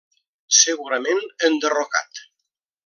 Segurament enderrocat.